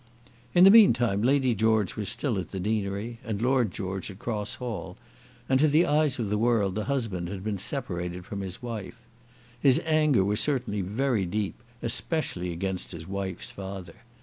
In the meantime Lady George was still at the deanery, and Lord George at Cross Hall, and to the eyes of the world the husband had been separated from his wife. His anger was certainly very deep, especially against his wife's father.